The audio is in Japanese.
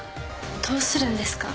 どうするんですか？